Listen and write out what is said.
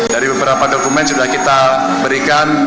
dari beberapa dokumen sudah kita berikan